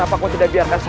april di indonesia